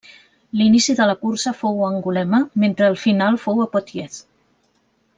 L'inici de la cursa fou a Angulema, mentre el final fou a Poitiers.